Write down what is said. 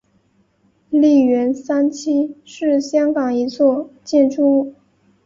利园三期是香港一座建筑物。